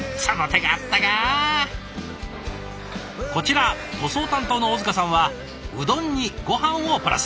こちら塗装担当の尾塚さんはうどんにごはんをプラス。